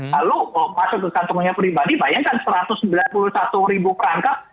lalu masukkan tentunya pribadi bayangkan satu ratus sembilan puluh satu ribu perangkat